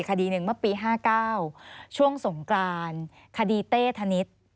คดีหนึ่งปี๑๙๕๙ช่วงสงการคดีเต้ธนิษฐ์